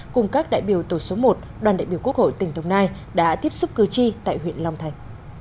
cùng các đại biểu tổ số một đoàn đại biểu quốc hội tỉnh đồng nai đã tiếp xúc cử tri tại huyện long thành